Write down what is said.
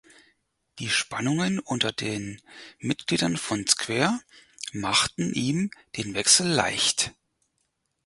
Die Spannungen unter den Mitgliedern von "Square" machten ihm den Wechsel leicht.